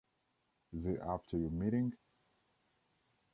Is it after your meeting?